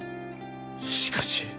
しかし。